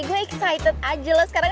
go excited aja lah sekarang